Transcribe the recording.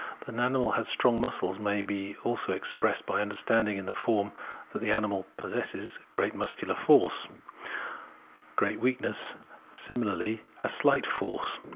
That an animal has strong muscles may also be expressed by understanding in the form that the animal "pos sesses a great muscular force "— great weakness meaning similarly "a shght force."